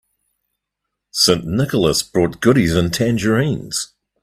St. Nicholas brought goodies and tangerines.